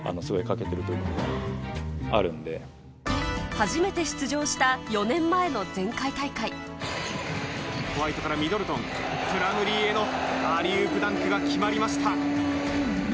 初めて出場した４年前の前回大会ホワイトからミドルトンプラムリーへのアリウープダンクが決まりました。